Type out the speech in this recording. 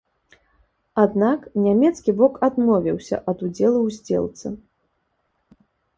Аднак нямецкі бок адмовіўся ад удзелу ў здзелцы.